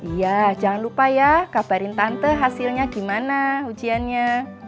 iya jangan lupa ya kabarin tante hasilnya gimana ujiannya